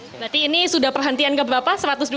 berarti ini sudah perhentian nggak berapa satu ratus dua